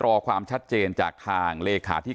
การสืบทอดอำนาจของขอสอชอและยังพร้อมจะเป็นนายกรัฐมนตรี